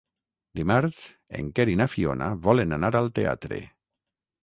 Dimarts en Quer i na Fiona volen anar al teatre.